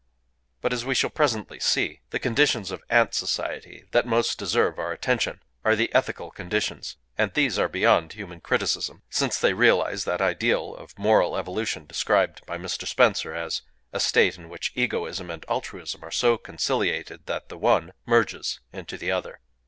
But as we shall presently see, the conditions of ant society that most deserve our attention are the ethical conditions; and these are beyond human criticism, since they realize that ideal of moral evolution described by Mr. Spencer as "a state in which egoism and altruism are so conciliated that the one merges into the other."